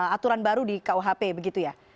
aturan baru di kuhp begitu ya